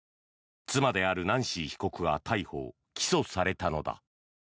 妻であるナンシー被告が逮捕・起訴されたのだ。